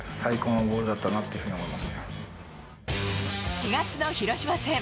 ４月の広島戦。